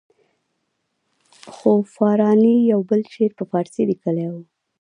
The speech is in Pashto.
خو فاراني یو بل شعر په فارسي لیکلی وو.